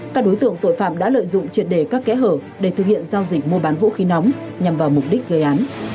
các đối tượng tội phạm đã lợi dụng triệt đề các kẽ hở để thực hiện giao dịch mua bán vũ khí nóng nhằm vào mục đích gây án